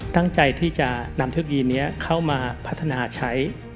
ตั้งใจที่จะนำเทคโนโลยีนี้เข้ามาพัฒนาใช้